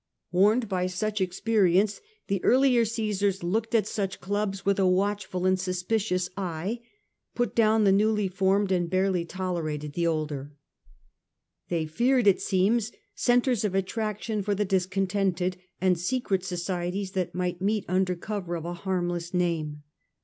Warned by such experience, the earlier Csesars looked at such clubs with a watchful and suspicious eye, put down the newly formed and barely tolerated the older. They feared, it seems, centres of attraction for the discontented, and secret societies that might meet under cover of a harmless name.